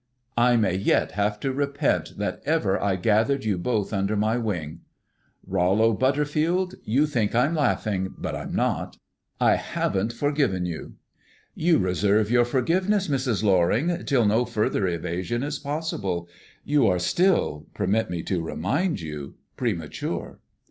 I may yet have to repent that ever I gathered you both under my wing. Rollo Butterfield, you think I'm laughing, but I'm not. I haven't forgiven you." "You reserve your forgiveness, Mrs. Loring, till no further evasion is possible. You are still, permit me to remind you, premature."